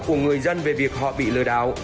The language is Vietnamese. của người dân về việc họ bị lừa đảo